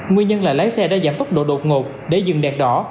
nguyên nhân là lái xe đã giảm tốc độ đột ngột để dừng đẹp đỏ